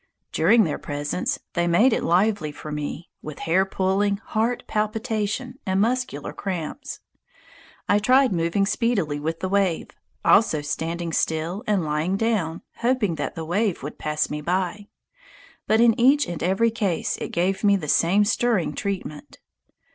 During their presence they made it lively for me, with hair pulling, heart palpitation, and muscular cramps. I tried moving speedily with the wave, also standing still and lying down, hoping that the wave would pass me by; but in each and every case it gave me the same stirring treatment.